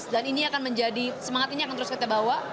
dan ini akan menjadi semangat ini akan terus kita bawa